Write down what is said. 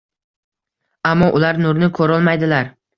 Ammo ular nurni ko’rolmaydilar.